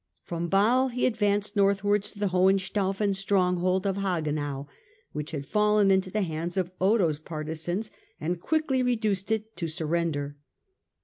From Basle he advanced northwards to the Hohenstaufen stronghold of Hagenau, which had fallen into the hands of Otho's partisans, and quickly reduced it to surrender.